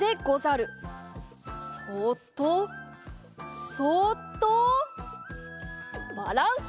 そっとそっとバランス！